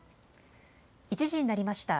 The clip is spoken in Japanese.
１時になりました。